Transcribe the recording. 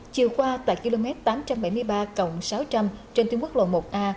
chiều qua tại km tám trăm bảy mươi ba cộng sáu trăm linh trên tuyến quốc lộ một a